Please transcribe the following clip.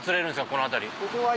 この辺り。